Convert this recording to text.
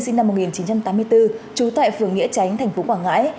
sinh năm một nghìn chín trăm tám mươi bốn trú tại phường nghĩa chánh thành phố quảng ngãi